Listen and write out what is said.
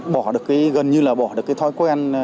bỏ được cái gần như là bỏ được cái thói quen